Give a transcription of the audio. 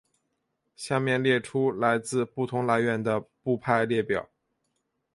下面列出来自不同来源的部派列表。